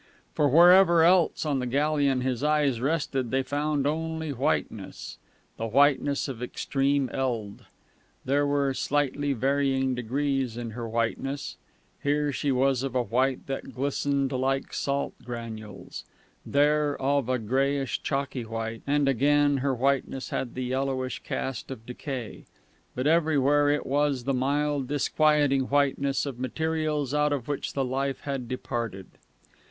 For wherever else on the galleon his eyes rested they found only whiteness the whiteness of extreme eld. There were slightly varying degrees in her whiteness; here she was of a white that glistened like salt granules, there of a greyish chalky white, and again her whiteness had the yellowish cast of decay; but everywhere it was the mild, disquieting whiteness of materials out of which the life had departed.